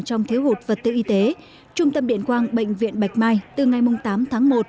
trong thiếu hụt vật tư y tế trung tâm điện quang bệnh viện bạch mai từ ngày tám tháng một